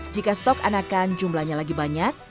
jika stok anakan jumlahnya lagi banyak